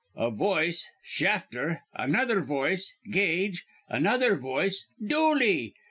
[A voice: 'Shafter.' Another voice: 'Gage.' Another voice: 'Dooley.'